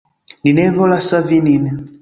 Ni ne volas savi nin.